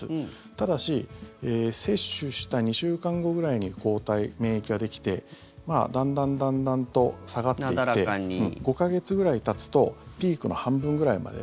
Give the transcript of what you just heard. ただし接種した２週間後ぐらいに抗体、免疫ができてだんだんだんだんと下がっていって５か月くらいたつとピークの半分ぐらいまで。